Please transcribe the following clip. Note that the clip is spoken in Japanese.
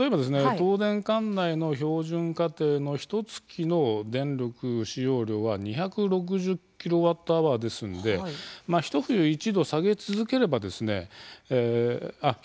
東電管内の標準家庭のひとつきの電力使用量は２６０ｋＷｈですのでまあひと冬１℃下げ続ければですね